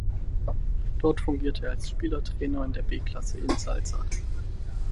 Dort fungierte er als Spielertrainer in der B-Klasse Inn-Salzach.